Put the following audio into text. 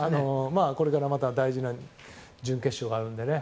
これから大事な準決勝があるのでね。